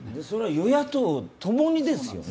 与野党ともにですよね。